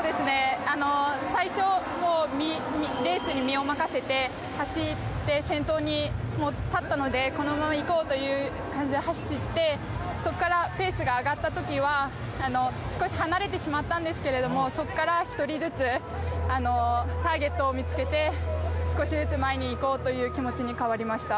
最初、レースに身を任せて走って先頭に立ったのでこのまま行こうという感じで走ってそこからペースが上がった時は少し離れてしまったんですがそこから１人ずつターゲットを見つけて少しずつ前にいこうという気持ちに変わりました。